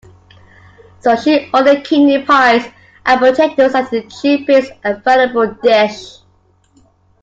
So she ordered kidney-pies and potatoes as the cheapest available dish.